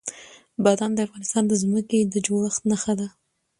بادام د افغانستان د ځمکې د جوړښت نښه ده.